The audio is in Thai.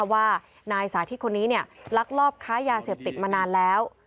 ว่านายสาธิตคนนี้ลักลอบค้ายาเสพติดมานานแล้ว